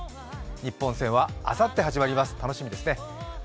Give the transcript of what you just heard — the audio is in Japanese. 日本戦はあさって始まります、楽しみですね